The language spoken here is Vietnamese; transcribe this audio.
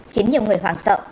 khiến nhiều người hoàng sợ